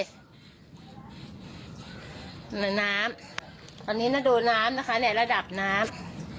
หนังน้ำตอนนี้ดูน้ำนะคะเลยระดับน้ำ